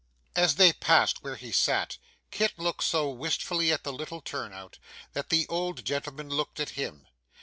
As they passed where he sat, Kit looked so wistfully at the little turn out, that the old gentleman looked at him.